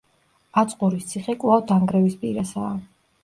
აწყურის ციხე კვლავ დანგრევის პირასაა.